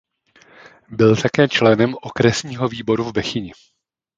Byl také členem okresního výboru v Bechyni.